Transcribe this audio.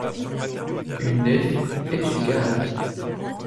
Une nef est une caraque.